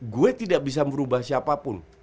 gue tidak bisa merubah siapapun